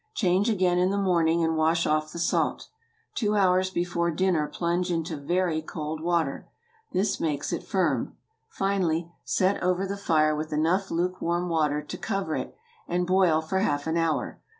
Change again in the morning and wash off the salt. Two hours before dinner plunge into very cold water. This makes it firm. Finally, set over the fire with enough lukewarm water to cover it, and boil for half an hour.